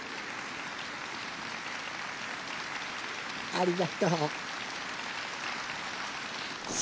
ありがとう。さあ。